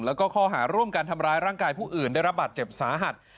แล้วก็ข้อหาร่วมกันทำร้ายร่างกายผู้อื่นได้รับบาดเจ็บสาหัส